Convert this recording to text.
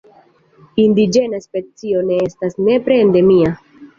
Indiĝena specio ne estas nepre endemia.